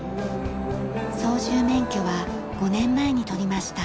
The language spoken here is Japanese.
操縦免許は５年前に取りました。